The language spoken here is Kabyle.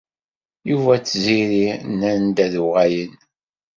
Yuba d Tiziri nnan-d ad d-uɣalen.